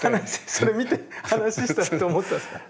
それ見て話したらと思ったんですか？